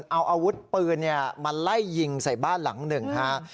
เอาอาวุธปืนมาไล่ยิงใส่บ้านหลังหนึ่งฮะ